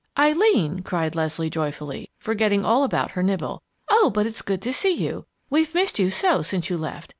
"Eileen!" cried Leslie, joyfully, forgetting all about her nibble. "Oh, but it's good to see you! We've missed you so since you left.